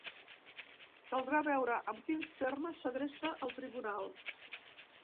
Caldrà veure amb quins termes s’adreça al tribunal.